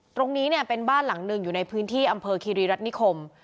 ตรงนี้เนี่ยเป็นบ้านหลังหนึ่งอยู่ในพื้นที่อำเภอคีรีรัฐนิคม